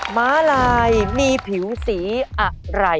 ม้าลายมีผิวสีอะไร